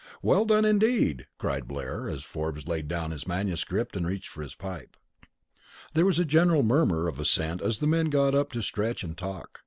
"Well done indeed!" cried Blair, as Forbes laid down his manuscript and reached for his pipe. There was a general murmur of assent as the men got up to stretch and talk.